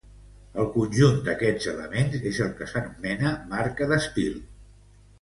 El conjunt d’aquests elements és el que s’anomena marca d’estil.